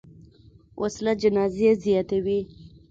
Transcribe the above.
وسله جنازې زیاتوي